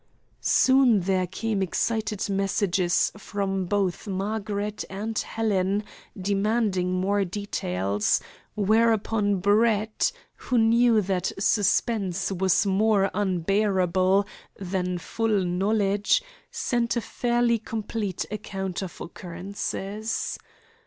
Soon there came excited messages from both Margaret and Helen demanding more details, whereupon Brett, who knew that suspense was more unbearable than full knowledge, sent a fairly complete account of occurrences.